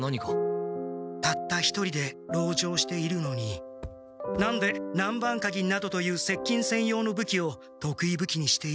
たった一人で籠城しているのに何で南蛮鉤などというせっきんせん用の武器をとくい武器にしているんだ？